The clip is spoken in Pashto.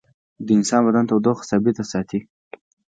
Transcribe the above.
د انسان بدن تودوخه ثابته ساتي